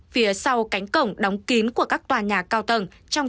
phía sau cánh cổng đóng kín của các tòa nhà cao tầng trong